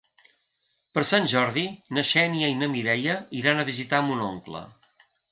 Per Sant Jordi na Xènia i na Mireia iran a visitar mon oncle.